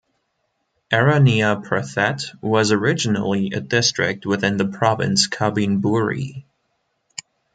Aranyaprathet was originally a district within the province Kabin Buri.